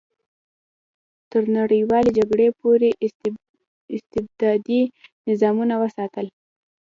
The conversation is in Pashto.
تر نړیوالې جګړې پورې استبدادي نظامونه وساتل.